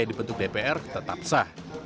di bentuk dpr tetap sah